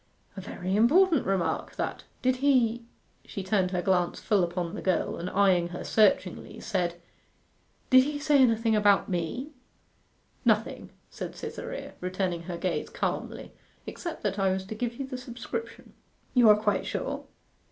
'A very important remark, that. Did he ' she turned her glance full upon the girl, and eyeing her searchingly, said 'Did he say anything about me?' 'Nothing,' said Cytherea, returning her gaze calmly, 'except that I was to give you the subscription.' 'You are quite sure?